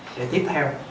sẽ tiếp theo